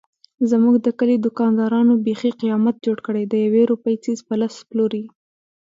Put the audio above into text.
زموږ د کلي دوکاندارانو بیخي قیامت جوړ کړی دیوې روپۍ څيز په لس پلوري.